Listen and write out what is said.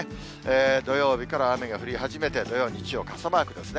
土曜日から雨が降り始めて、土曜、日曜、傘マークですね。